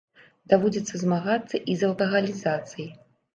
Даводзіцца змагацца і з алкагалізацыяй.